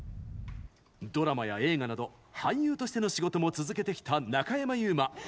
ドラマや映画など俳優としての仕事も続けてきた中山優馬。